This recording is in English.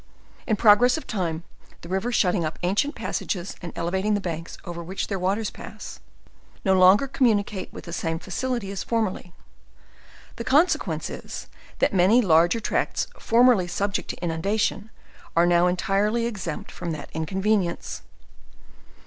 In process of time, the river shutting up ancient passages and elevating the banks over which their waters pass, no longer communicate with the same facility as formerly; the consequence is, that many larger tracts formerly subject to inundation are now entirely exeropt from that in convenience.